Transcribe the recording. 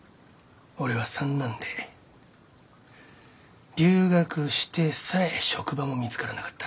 俺は三男で留学してさえ職場も見つからなかった。